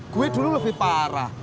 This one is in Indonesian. gue dulu lebih parah